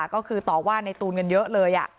ก็คือต่อว่าในตุ๋นเงินเยอะเลยอ่ะ